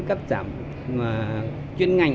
cắt giảm chuyên ngành